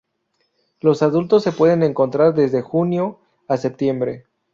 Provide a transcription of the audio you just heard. Los adultos se pueden encontrar desde junio a septiembre.